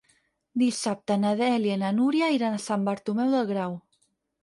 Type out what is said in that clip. Dissabte na Dèlia i na Núria iran a Sant Bartomeu del Grau.